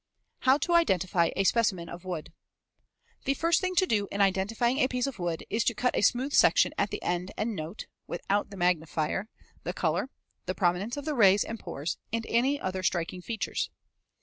How to identify a specimen of wood: The first thing to do in identifying a piece of wood is to cut a smooth section at the end and note (without the magnifier) the color, the prominence of the rays and pores, and any other striking features.